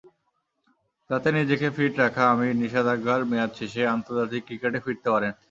যাতে নিজেকে ফিট রাখা আমির নিষেধাজ্ঞার মেয়াদ শেষেই আন্তর্জাতিক ক্রিকেটে ফিরতে পারেন।